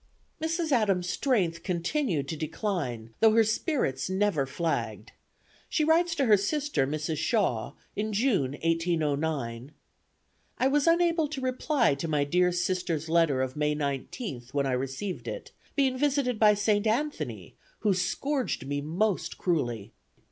Mrs. Adams' strength continued to decline, though her spirits never flagged. She writes to her sister, Mrs. Shaw, in June, 1809: "I was unable to reply to my dear sister's letter of May 19th when I received it, being visited by St. Anthony, who scourged me most cruelly.